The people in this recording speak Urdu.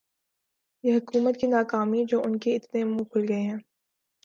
یہ حکومت کی ناکامی جو انکے اتنے منہ کھل گئے ہیں